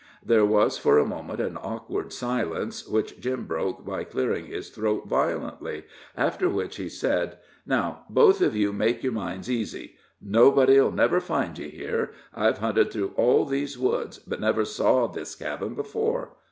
There was for a moment an awkward silence, which Jim broke by clearing his throat violently, after which he said: "Now, both of you make your minds easy. Nobody'll never find you here I've hunted through all these woods, but never saw this cabin before.